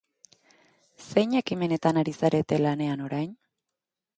Zein ekimenetan ari zarete lanean orain?